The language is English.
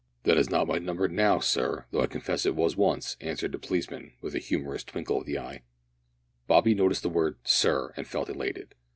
"That is not my number now, sir, though I confess it was once," answered the policeman, with a humorous twinkle of the eye. Bobby noticed the word "sir," and felt elated.